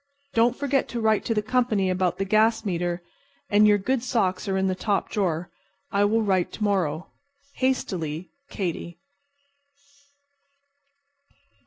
Don't forget to write to the company about the gas meter, and your good socks are in the top drawer. I will write to morrow. Hastily, KATY."